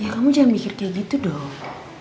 ya kamu jangan mikir seperti itu dong